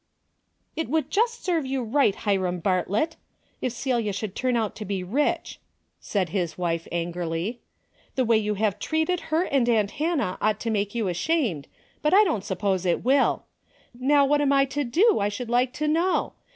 '' It would just serve you right, Hiram Bart lett, if Celia should turn out to be rich," said his wife, angrily. " The way you have treated her and aunt Hannah ought to make you ashamed, but I don't suppose it will. How what am I to do I should like to know